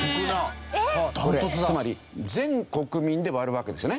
これつまり全国民で割るわけですよね。